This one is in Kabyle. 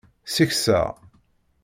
Sikser.